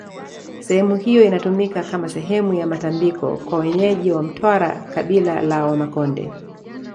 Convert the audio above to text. sehemu hiyo inatumika kama sehemu ya matambiko kwa wenyeji wa mtwara kabila la wamakonde